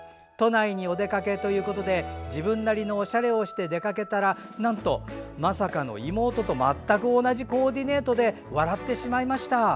都内にお出かけということで自分なりのおしゃれを工夫して出かけたらなんと、まさかの妹と全く同じコーディネートで笑ってしまいました。